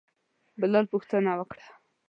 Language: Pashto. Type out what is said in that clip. بلال پوښتنه وکړه.